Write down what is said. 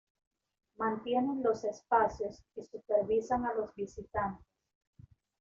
Mantienen los espacios y supervisan a los visitantes.